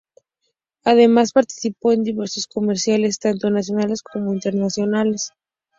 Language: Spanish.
Además participado en diversos comerciales, tanto nacionales como internacionales.